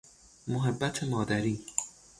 محبت مادری